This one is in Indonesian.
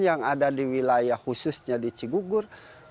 yang ada di wilayah khususnya di cigugur